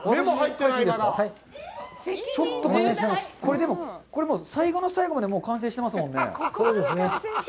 これでも最後の最後まで完成してますもんね。